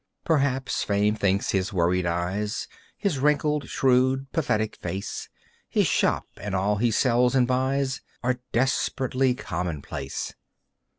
Perhaps Fame thinks his worried eyes, His wrinkled, shrewd, pathetic face, His shop, and all he sells and buys Are desperately commonplace.